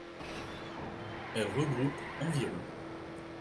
Elle regroupe env.